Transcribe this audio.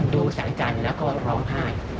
ดูแสงใจแล้วก็ร้องไห้